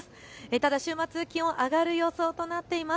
ただ週末気温、上がる予想となっています。